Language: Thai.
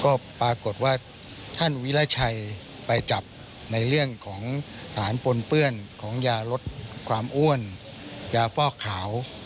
ก็ปรากฏว่าท่านวิราชัยไปจับในเรื่องของฐานปนเปื้อนของยาลดความอ้วนยาฟอกขาว